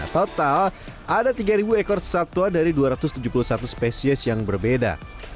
total ada tiga ekor satwa dari dua ratus tujuh puluh satu spesies yang berbeda